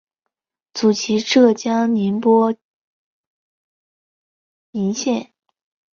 祖籍浙江宁波鄞县。